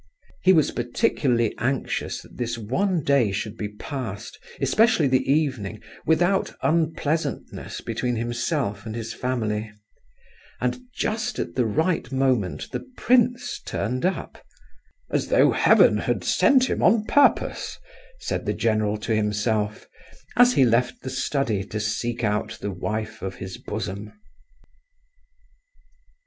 He was particularly anxious that this one day should be passed—especially the evening—without unpleasantness between himself and his family; and just at the right moment the prince turned up—"as though Heaven had sent him on purpose," said the general to himself, as he left the study to seek out the wife of his bosom. V. Mrs.